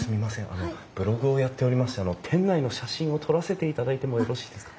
あのブログをやっておりまして店内の写真を撮らせていただいてもよろしいですか？